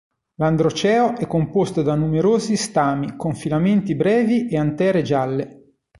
L'androceo è composto da numerosi stami con filamenti brevi e antere gialle.